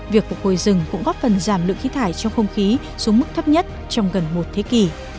việc phục hồi rừng cũng góp phần giảm lượng khí thải trong không khí xuống mức thấp nhất trong gần một thế kỷ